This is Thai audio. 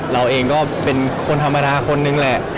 เราเองก็เป็นคนธรรมดาคนนึงแหละ